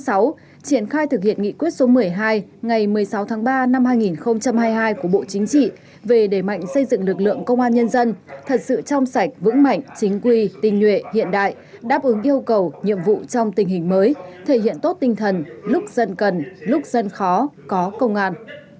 triển khai thực hiện nghị quyết số một mươi hai ngày một mươi sáu tháng ba năm hai nghìn hai mươi hai của bộ chính trị về đẩy mạnh xây dựng lực lượng công an nhân dân thật sự trong sạch vững mạnh chính quy tình nguyện hiện đại đáp ứng yêu cầu nhiệm vụ trong tình hình mới thể hiện tốt tinh thần lúc dân cần lúc dân khó có công an